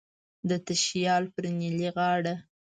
د تشیال پر نیلی غاړه